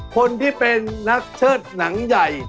คนที่เป็นนักเชิดหนังใหญ่